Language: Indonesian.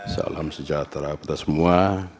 salam sejahtera kita semua